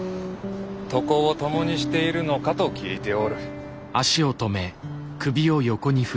床を共にしているのかと聞いておる。